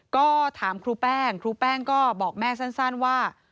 ก็ถามครูแป้งครูแป้งก็บอกแม่สั้นว่า